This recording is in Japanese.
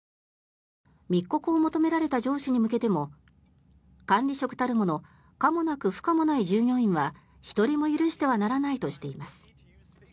密告を求められた上司に向けても管理職たるもの可もなく不可もない従業員は１人も許してはならないとしています。